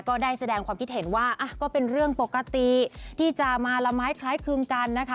ก็ได้แสดงความคิดเห็นว่าก็เป็นเรื่องปกติที่จะมาละไม้คล้ายคลึงกันนะคะ